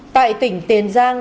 tại tỉnh tiền giang